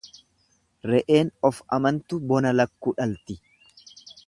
Re'een of amantu bona lakkuu dhalti.